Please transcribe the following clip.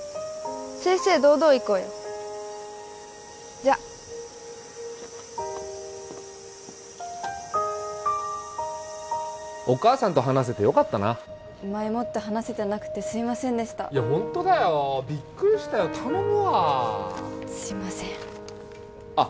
正々堂々いこうよじゃっお母さんと話せてよかったな前もって話せてなくてすいませんでしたいやホントだよびっくりしたよ頼むわすいませんあっ